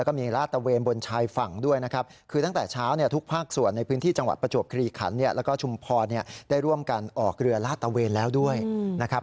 เครื่องบินอีก๒ลำด้วยนะครับ